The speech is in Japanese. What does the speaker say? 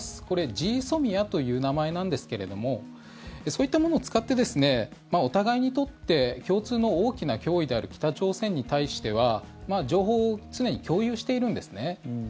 これ、ＧＳＯＭＩＡという名前なんですけれどもそういったものを使ってお互いにとって共通の大きな脅威である北朝鮮に対しては情報を常に共有しているんです。